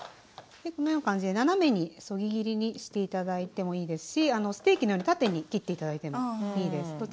このような感じで斜めにそぎ切りにして頂いてもいいですしステーキのように縦に切って頂いてもいいです。